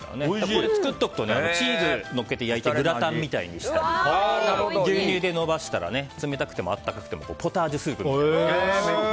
これを作っておくとチーズをのせて焼いてグラタンみたいにしたり牛乳でのばしたら冷たくても温かくてもポタージュスープみたく。